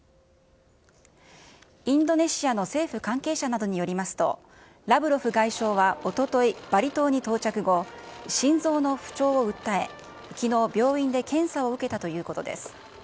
インドネシアの政府関係者などによりますと、ラブロフ外相はおととい、バリ島に到着後、心臓の不調を訴え、きのう病院で検査を受けたということです。